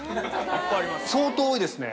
相当多いですね